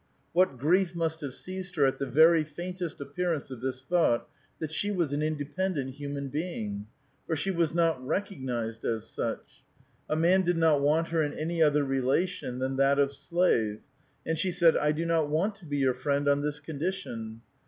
What grief must have seized her at the very faintest appearance of this thought, that she was an independent human being ! For she was not recog nized as such. A man did not want her in any other rela tion than that of slave. And she said, ' 1 do not want to be your friend on this condition.'